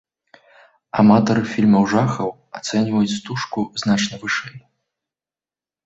Аматары фільмаў жахаў ацэньваюць стужку значна вышэй.